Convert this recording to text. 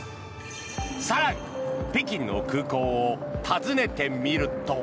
更に、北京の空港を訪ねてみると。